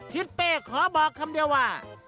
ทิศเป้ขอบอกคำเดียวว่า